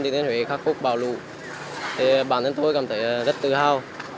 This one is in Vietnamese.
thừa thiên huế khắc phúc bảo lũ bản thân tôi cảm thấy rất tự hào